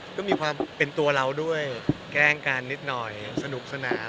ก็มีความเป็นตัวเราด้วยแกล้งกันนิดหน่อยสนุกสนาน